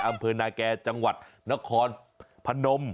อำเภอนาแก่จังหวัดนครพนม